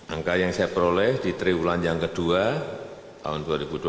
angka yang saya peroleh di triwulan yang kedua tahun dua ribu dua puluh